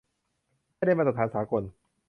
ให้ได้มาตรฐานสากล